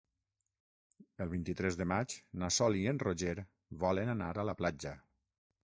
El vint-i-tres de maig na Sol i en Roger volen anar a la platja.